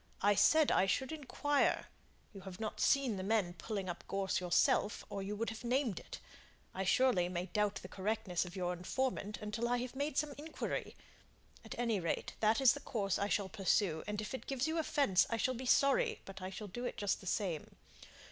I said I should inquire. You have not seen the men pulling up gorse yourself, or you would have named it. I, surely, may doubt the correctness of your information until I have made some inquiry; at any rate, that is the course I shall pursue, and if it gives you offence, I shall be sorry, but I shall do it just the same.